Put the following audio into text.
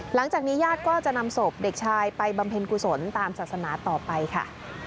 หลังจากนี้ญาติก็จะนำศพเด็กชายไปบำเพ็ญกุศลตามศาสนาต่อไปค่ะ